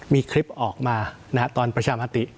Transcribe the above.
มีคลิปออกมาตอนประชามติ